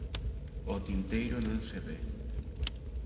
O Tinteiro non se ve.